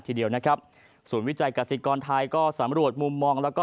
ทีเดียวนะครับศูนย์วิจัยกษิกรไทยก็สำรวจมุมมองแล้วก็